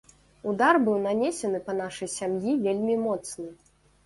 Удар быў нанесены па нашай сям'і вельмі моцны.